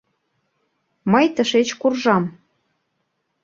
Мый тышеч куржам.